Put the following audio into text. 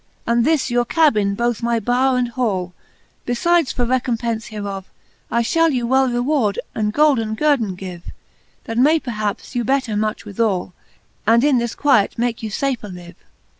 And this your cabin both my bowre and hall. Befides for recompence hereof, I fliall You well reward, and golden guerdon give, That may perhaps you better much withall, And in this quiet make you fafer live.